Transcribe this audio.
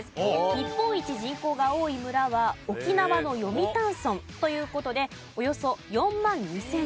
日本一人口が多い村は沖縄の読谷村という事でおよそ４万２０００人。